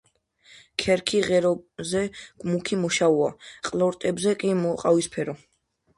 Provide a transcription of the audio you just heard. ქერქი ღეროზე მუქი მოშავოა, ყლორტებზე კი მოყავისფრო.